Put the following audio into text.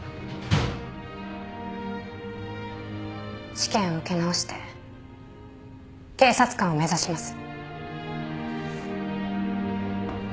試験を受け直して警察官を目指します。